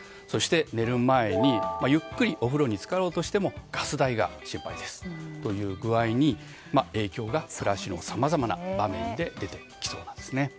そして、寝る前にゆっくりお風呂に浸かろうとしてもガス代が心配ですという具合に生活のさまざまな場面で出てきそうなんですね。